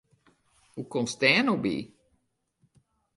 Hoe komst dêr no by?